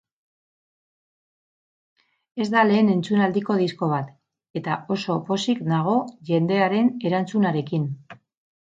Ez da lehen entzunaldiko disko bat, eta oso pozik nago jendearen erantzunarekin.